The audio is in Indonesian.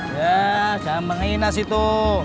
ya jangan menghina situ